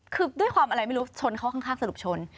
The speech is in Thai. คือด้วยความอะไรไม่รู้ชนเข้าข้างสรุปชน